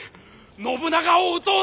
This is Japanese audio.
信長を討とうぞ！